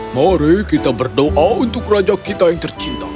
mari kita berdoa untuk raja kita yang tercinta